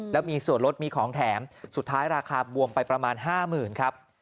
แล้วมีส่วนลดมีของแถมสุดท้ายราคาบวมไปประมาณ๕๐๐๐ครับ